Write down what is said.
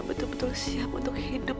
betul betul siap untuk hidup